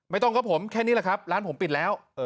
ไม่ต้องครับผมแค่นี้แหละครับร้านผมปิดแล้ว